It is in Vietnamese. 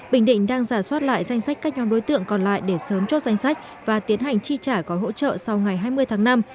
bình định đang giả soát lại danh sách các nhóm đối tượng còn lại để sớm chốt danh sách và tiến hành chi trả gói hỗ trợ sau ngày hai mươi tháng năm